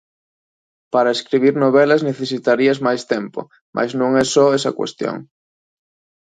Para escribir novelas necesitarías máis tempo, mais non é só esa cuestión.